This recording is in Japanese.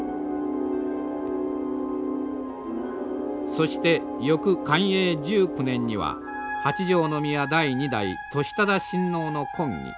そして翌寛永１９年には八条宮第二代智忠親王の婚儀。